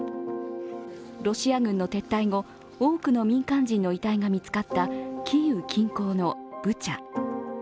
ロシア軍の撤退後、多くの民間人の遺体が見つかったキーウ近郊のブチャ。